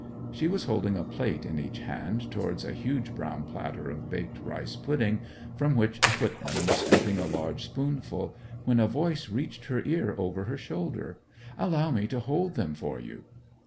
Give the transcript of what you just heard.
She was holding a plate in each hand towards a huge brown platter of baked rice pudding, from which a footman was scooping a large spoonful, when a voice reached her ear over her shoulder: 'Allow me to hold them for you.'